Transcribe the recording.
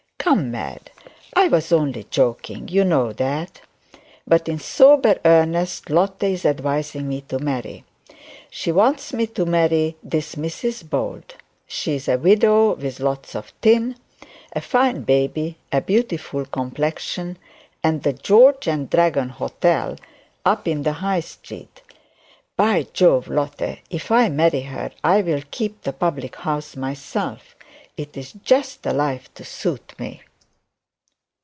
'Come, Mad, I was only joking; you know that. But in sober earnest, Lotte is advising me to marry. She wants me to marry Mrs Bold. She's a widow with lots of tin, a fine baby, a beautiful complexion, and the George and Dragon hotel up in High Street. By Jove, Lotte, if I marry her, I'll keep the public house myself it's just the life that suits me.'